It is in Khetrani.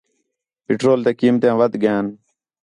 پٹرول تیاں قیمتیاں ودھ ڳیئن